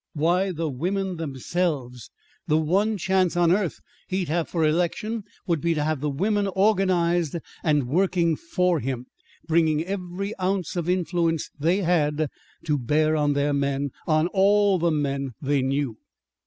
Why, the women themselves. The one chance on earth he'd have for election would be to have the women organized and working for him, bringing every ounce of influence they had to bear on their men on all the men they knew.